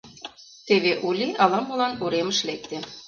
Теве Ули ала-молан уремыш лекте.